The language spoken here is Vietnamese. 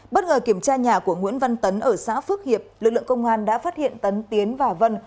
bất ngờ kiểm tra nhà của nguyễn văn tấn ở xã phước hiệp lực lượng công an đã phát hiện tấn tiến và vân